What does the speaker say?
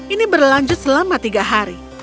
ini berlanjut selama tiga hari